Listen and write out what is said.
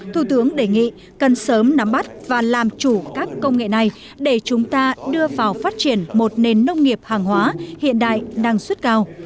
thủ tướng đề nghị cần sớm nắm bắt và làm chủ các công nghệ này để chúng ta đưa vào phát triển một nền nông nghiệp hàng hóa hiện đại năng suất cao